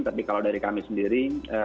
tapi kalau dari kami sendiri